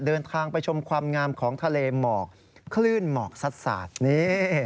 เดินทางไปชมความงามของทะเลหมอกคลื่นหมอกซัดนี่